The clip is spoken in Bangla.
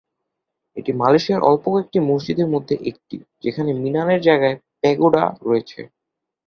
এটি মালয়েশিয়ার অল্প কয়েকটি মসজিদের মধ্যে একটি, যেখানে মিনারের জায়গায় প্যাগোডা রয়েছে।